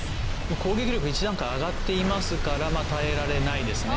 攻撃力１段階上がっていますからたえられないですね。